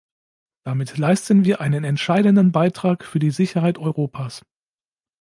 Damit leisten wir einen entscheidenden Beitrag für die Sicherheit Europas.